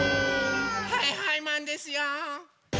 はいはいマンですよ！